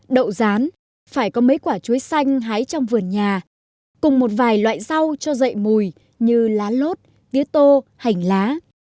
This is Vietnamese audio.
đậu rán phải có mấy quả chuối xanh hái trong vườn nhà cùng một vài loại rau cho dậy mùi như lá lốt tứa tô hành lá